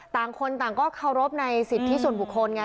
ต่างคนต่างก็เคารพในสิทธิส่วนบุคคลไง